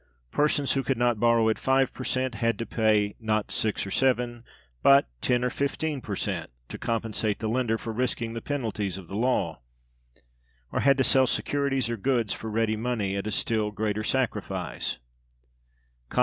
Persons who could not borrow at five per cent had to pay, not six or seven, but ten or fifteen per cent, to compensate the lender for risking the penalties of the law; or had to sell securities or goods for ready money at a still greater sacrifice.